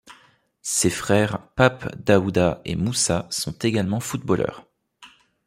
Ses frères Pape Daouda et Moussa sont également footballeurs.